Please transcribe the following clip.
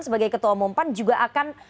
sebagai ketua umum pan juga akan